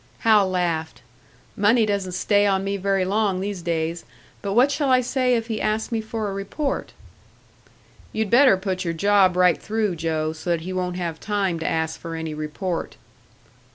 Hal laughed. "Money doesn't stay on me very long these days. But what shall I say if he asks me for a report?" "You'd better put your job right through, Joe so that he won't have time to ask for any report."